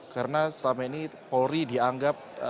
karena selama ini polri dianggap